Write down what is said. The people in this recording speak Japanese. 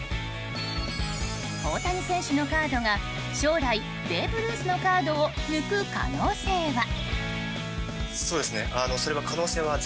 大谷選手のカードが将来、ベーブ・ルースのカードを抜く可能性は？